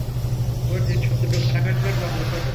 ওর জিনিসপত্র ঘাঁটাঘাঁটি করা বন্ধ করো।